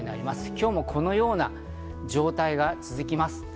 今日もこのような状態が続きます。